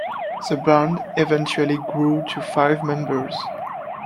The band eventually grew to five members.